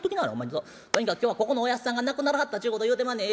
とにかく今日はここのおやっさんが亡くならはったちゅうことを言うてまんねん。